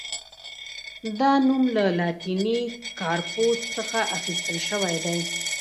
دا نوم له لاتیني «کارپوس» څخه اخیستل شوی دی.